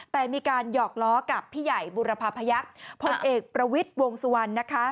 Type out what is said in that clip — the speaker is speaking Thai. แต่มีการหยอกล้อกับพี่ใหญ่บุรพาพยักษ์พลเอกประวิทย์วงสุวรรณนะคะ